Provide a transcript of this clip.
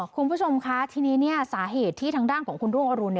คุณผู้ชมคะทีนี้สาเหตุที่ทางด้านของคุณรุ่งอรุณ